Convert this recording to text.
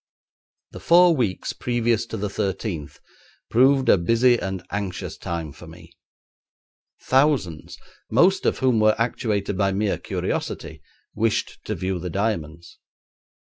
The four weeks previous to the thirteenth proved a busy and anxious time for me. Thousands, most of whom were actuated by mere curiosity, wished to view the diamonds.